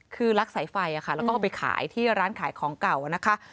คือลักสายไฟแล้วก็เอาไปขายที่ร้านขายของเก่านะคะ